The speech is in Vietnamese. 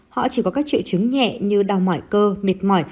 họ chỉ có các triệu chứng nhẹ như đau mỏi cơ mệt mỏi